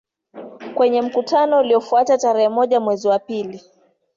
Kwenye mkutano uliofuata tarehe moja mwezi wa pili